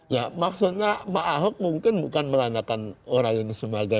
ya maksudnya pak ahok mungkin bukan menanyakan orang ini sebagai